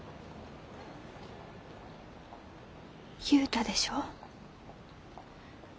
言うたでしょ。